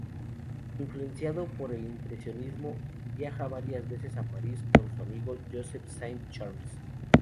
Influenciado por el impresionismo, viaja varias veces a París con su amigo Joseph Saint-Charles.